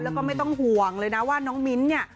แล้วก็ไม่ต้องห่วงเลยนะว่าน้องมิ้นท์เนี่ย